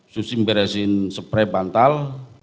susi memberesin sepre bantal